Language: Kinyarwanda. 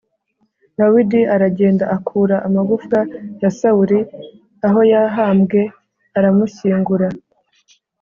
Dawidi aragenda akura amagufwa ya Sawuli aho yahambwe aramushyingura